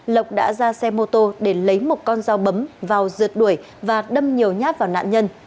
lộc đã ra xe mô tô để lấy một con dao bấm vào rượt đuổi và đâm nhiều nhát vào nạn nhân